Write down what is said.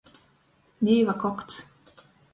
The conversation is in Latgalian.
Dīvakokts.